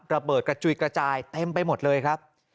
ระเบิดกระจุยกระจายเต็มไปหมดเลยครับ